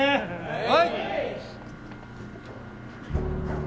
はい！